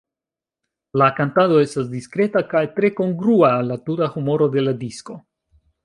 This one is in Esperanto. La kantado estas diskreta kaj tre kongrua al la tuta humoro de la disko.